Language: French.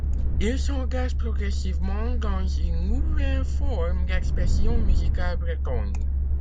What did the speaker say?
Il s'engage progressivement dans une nouvelle forme d'expression musicale bretonne.